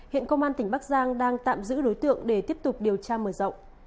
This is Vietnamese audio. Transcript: hiện công an tỉnh bắc giang đang tạm giữ đối tượng để tiếp tục điều tra mở rộng